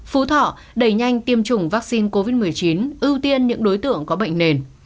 phú thọ đẩy nhanh tiêm chủng vaccine covid một mươi chín ưu tiên những đối tượng có bệnh nền